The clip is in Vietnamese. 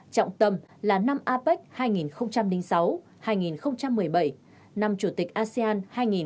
trọng tầm là năm apec hai nghìn sáu hai nghìn một mươi bảy năm chủ tịch asean hai nghìn một mươi hai nghìn hai mươi